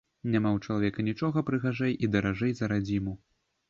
Няма ў чалавека нічога прыгажэй і даражэй за радзіму.